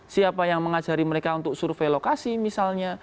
siapa yang mengajari mereka untuk survei lokasi misalnya